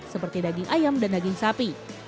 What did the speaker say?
seperti daging ayam dan daging sapi